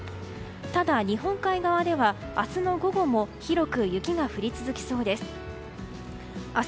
ただ、日本海側では明日の午後も広く雪が降り続きそうです。